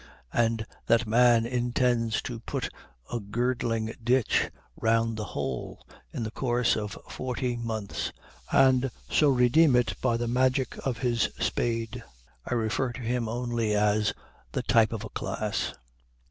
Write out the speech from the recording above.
And that man intends to put a girdling ditch round the whole in the course of forty months, and so redeem it by the magic of his spade. I refer to him only as the type of a class.